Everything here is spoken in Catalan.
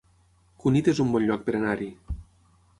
Cunit es un bon lloc per anar-hi